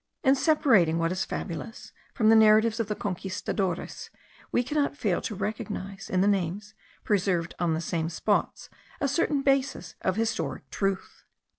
In separating what is fabulous from the narratives of the Conquistadores, we cannot fail to recognize in the names preserved on the same spots a certain basis of historic truth.